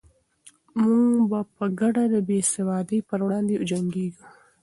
موږ به په ګډه د بې سوادۍ پر وړاندې جنګېږو.